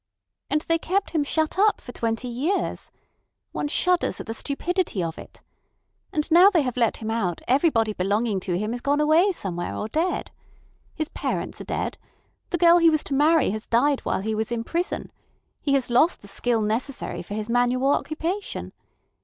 "And they kept him shut up for twenty years. One shudders at the stupidity of it. And now they have let him out everybody belonging to him is gone away somewhere or dead. His parents are dead; the girl he was to marry has died while he was in prison; he has lost the skill necessary for his manual occupation.